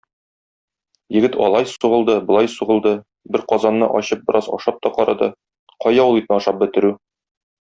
Егет алай сугылды, болай сугылды, бер казанны ачып бераз ашап та карады - кая ул итне ашап бетерү.